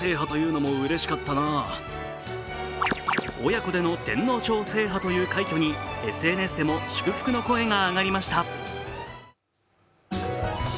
親子での天皇賞制覇という快挙に、ＳＮＳでも祝福の声が上がりました。